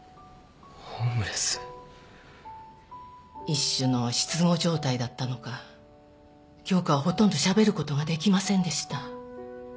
一種の失語状態だったのか京花はほとんどしゃべることができませんでした。